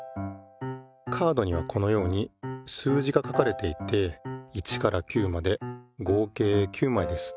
カードにはこのように数字が書かれていて１から９まで合計９まいです。